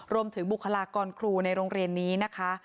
บุคลากรครูในโรงเรียนนี้นะคะ